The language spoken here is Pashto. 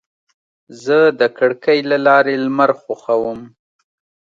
زه د کړکۍ له لارې لمر خوښوم.